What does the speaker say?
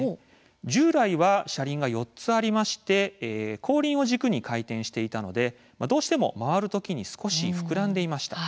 従来は車輪が４つありまして後輪を軸に回転していたのでどうしても回る時に少し膨らんでいました。